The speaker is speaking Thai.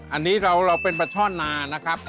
อันนี้เราเป็นปลาช่อนนานะครับ